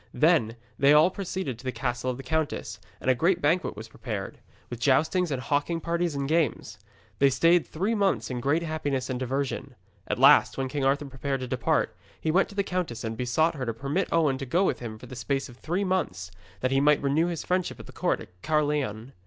Then they all proceeded to the castle of the countess, and a great banquet was prepared, with joustings and hawking parties and games. They stayed three months in great happiness and diversion. At last, when King Arthur prepared to depart, he went to the countess and besought her to permit Owen to go with him for the space of three months, that he might renew his friendships at the court at Caerleon.